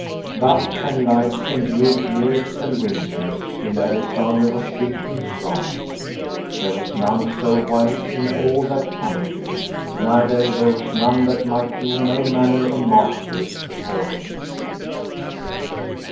Thus Anglides endured years and winters, till Alisander was big and strong; there was none so wight in all that country, neither there was none that might do no manner of mastery afore him.